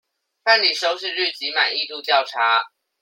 辦理收視率及滿意度調查